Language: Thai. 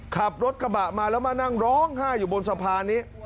ขับรถกระบะมาแล้วมานั่งร้องไห้อยู่บนสะพานนี้